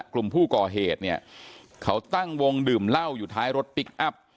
กลุ่มผู้ก่อเหตุเนี่ยเขาตั้งวงดื่มเหล้าอยู่ท้ายรถพลิกอัพ